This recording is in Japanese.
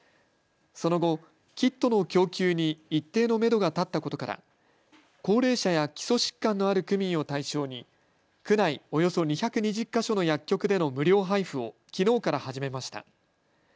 その後、キットの供給に一定のめどが立ったことから高齢者や基礎疾患のある区民を対象に区内およそ２２０か所の薬局での無料配布をきのうから始めました。